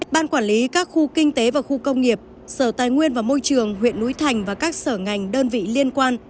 ban quản lý các khu kinh tế và khu công nghiệp sở tài nguyên và môi trường huyện núi thành và các sở ngành đơn vị liên quan